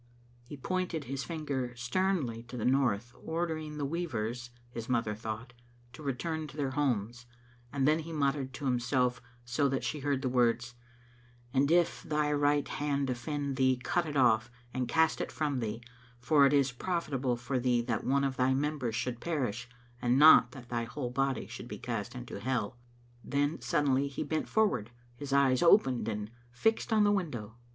He pointed his finger sternly to the north, ordering the weavers, his mother thought, to re turn to their homes, and then he muttered to himself so that she heard the words, " And if thy right hand offend thee cut it off, and cast it from thee, for it is profitable for thee that one of thy members should perish, and not that thy whole body should be cast into hell. " Then suddenly he bent forward, his eyes open and fixed on the window.